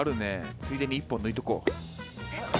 ついでに１本抜いとこう。